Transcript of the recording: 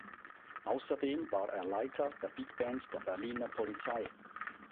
Außerdem war er Leiter der Big Band der Berliner Polizei.